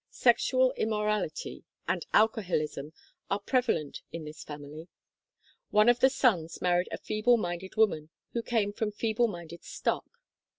Sex ual immorality and alcoholism are prevalent in this family. One of the sons married a feeble minded woman who came from feeble minded stock.